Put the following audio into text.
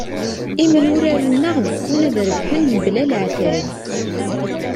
Imyurar-nneɣ beqqun ad rebḥen mebla leɛtab.